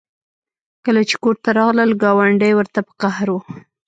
کله چې کور ته راغلل ګاونډۍ ورته په قهر وه